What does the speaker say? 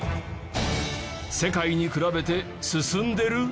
世界に比べて進んでる？